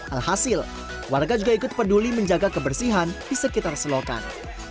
alhasil warga juga ikut peduli menjaga kebersihan di sekitar selokan